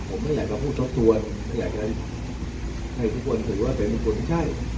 ผมไม่อยากจะพูดทบทวนไม่อยากจะให้ทุกคนถือว่าเป็นคนที่ใช่